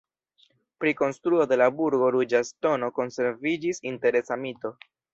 Pri konstruo de la burgo Ruĝa Ŝtono konserviĝis interesa mito.